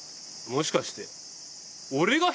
もしかして。